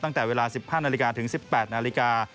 ตั้งแต่เวลา๑๕นาฬิกาถึง๑๘นาฬิกา